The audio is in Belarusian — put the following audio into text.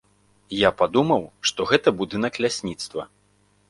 Я падумаў, што гэта будынак лясніцтва.